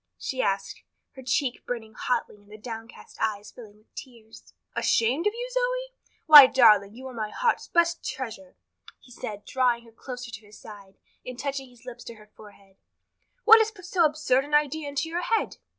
she asked, her cheek burning hotly and the downcast eyes filling with tears. "Ashamed of you, Zoe? Why, darling, you are my heart's best treasure," he said, drawing her closer to his side, and touching his lips to her forehead. "What has put so absurd an idea into your head?"